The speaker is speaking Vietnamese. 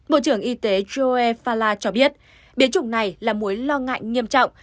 bộ trưởng y tế george fala cho biết biến chủng này là mối lo ngại nghiêm trọng